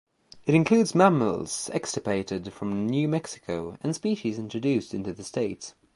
It includes mammals extirpated from New Mexico and species introduced into the state.